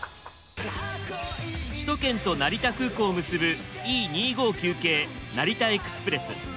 首都圏と成田空港を結ぶＥ２５９系成田エクスプレス。